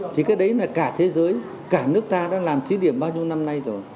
thì cái đấy là cả thế giới cả nước ta đã làm thí điểm bao nhiêu năm nay rồi